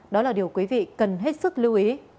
đó là điều quý vị cần hết sức lưu ý